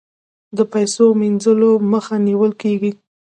د پیسو مینځلو مخه نیول کیږي